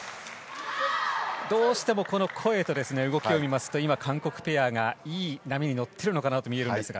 どうしてもこの声と動きを見ますと韓国ペアがいい波に乗ってるように見えますが。